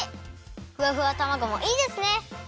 ふわふわたまごもいいですね！